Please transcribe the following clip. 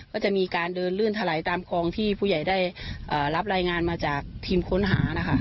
ก็จะมีการเดินลื่นถลายตามคลองที่ผู้ใหญ่ได้รับรายงานมาจากทีมค้นหานะคะ